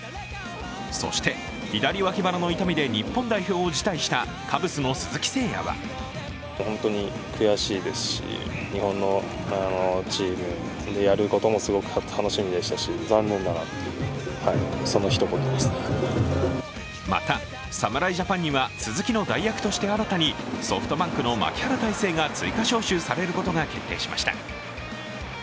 そして、左脇腹の痛みで日本代表を辞退したカブスの鈴木誠也はまた、侍ジャパンには鈴木の代役として新たにソフトバンクの牧原大成が追加招集されることが決定しました。